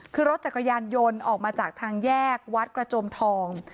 คือรถจักรยานยนต์ออกมาจากทางแยกวัดกระจมทอง